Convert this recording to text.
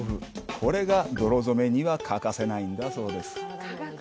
これが泥染めには欠かせないんだそうです。